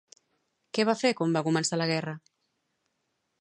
Què va fer quan va començar la guerra?